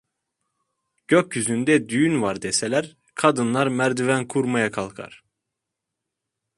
Gökyüzünde düğün var deseler, kadınlar merdiven kurmaya kalkar.